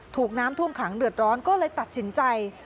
ถูกน้ำท่วมขังเดือดร้อนก็เลยตัดสินใจ